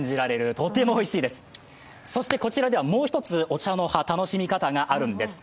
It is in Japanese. とてもおいしいです、そしてこちらではもう一つお茶の葉、楽しみ方があるんです。